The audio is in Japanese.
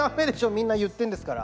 みんな言ってんですから！